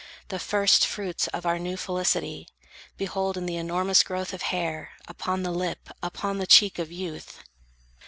The first fruits of our new felicity Behold, in the enormous growth of hair, Upon the lip, upon the cheek, of youth!